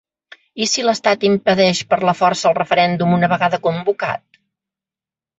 I si l’estat impedeix per la força el referèndum una vegada convocat?